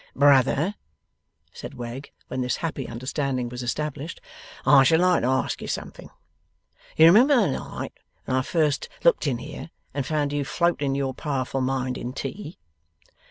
'Brother,' said Wegg, when this happy understanding was established, 'I should like to ask you something. You remember the night when I first looked in here, and found you floating your powerful mind in tea?